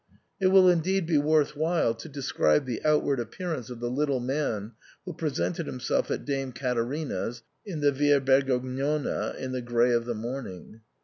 It will indeed be worth while to describe the outward appearance of the little man who presented himself at Dame Caterina's in the Via Bergognona in the grey of the morning.